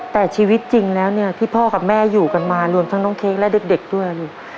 แต่ชีวิตจริงแล้วเนี่ยที่พ่อกับแม่อยู่กันมารวมทั้งน้องเค้กและเด็กด้วยลูก